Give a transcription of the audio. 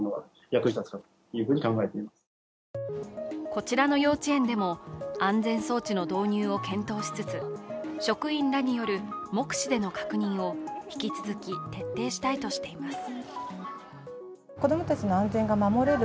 こちらの幼稚園でも安全装置の導入を検討しつつ職員らによる目視での確認を引き続き徹底したいとしています。